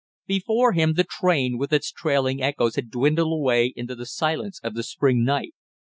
Before him the train, with its trailing echoes, had dwindled away into the silence of the spring night.